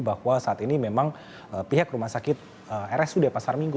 bahwa saat ini memang pihak rumah sakit rsud pasar minggu